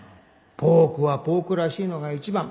ポークはポークらしいのが一番。